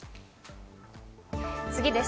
次です。